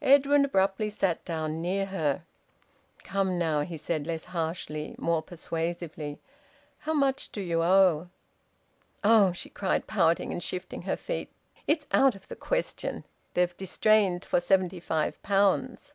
Edwin abruptly sat down near her. "Come, now," he said less harshly, more persuasively. "How much do you owe?" "Oh!" she cried, pouting, and shifting her feet. "It's out of the question! They've distrained for seventy five pounds."